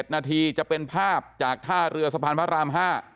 นาทีจะเป็นภาพจากท่าเรือสะพานพระราม๕